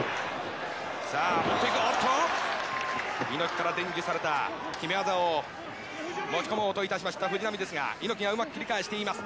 さあ、猪木から伝授された決め技を持ちこもうといたしました藤波ですが猪木がうまく切り返しています。